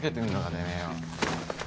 てめえよ。